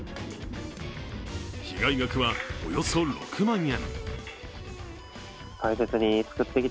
被害額はおよそ６万円。